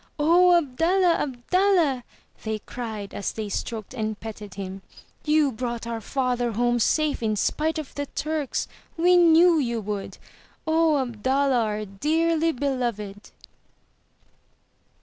*'0 Abdallah! Abdallah!" they cried as they stroked and petted him. You brought our father home safe in spite of the Turks ! We knew you would ! O Abdallah, our dearly beloved!"